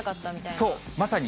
そう、まさに。